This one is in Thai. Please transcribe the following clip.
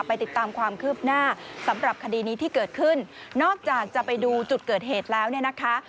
ติดตามความคืบหน้าสำหรับคดีนี้ที่เกิดขึ้นนอกจากจะไปดูจุดเกิดเหตุแล้วเนี่ยนะคะ